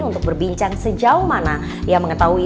untuk berbincang sejauh mana ia mengetahui